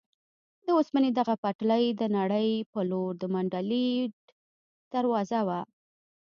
د اوسپنې دغه پټلۍ د نړۍ په لور د منډلینډ دروازه وه.